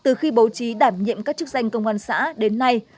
từ khi bố trí đảm nhiệm các chức danh công an xã đến nay